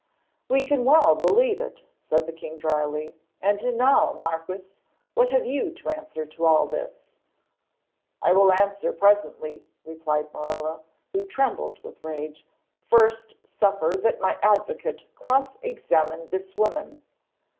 "We can well believe it," said the king drily. "And now, Marquis, what have you to answer to all this?" "I will answer presently," replied Morella, who trembled with rage. "First suffer that my advocate cross examine this woman."